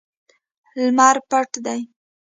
لمر پټ دی